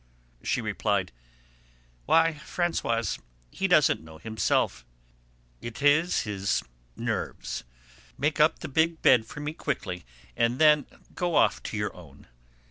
she replied: "Why, Françoise, he doesn't know himself: it is his nerves. Make up the big bed for me quickly and then go off to your own."